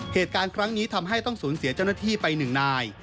เหตุการณ์ครั้งนี้ทำให้ต้องสูญเสียเจ้าหน้าที่ไปหนึ่งนาย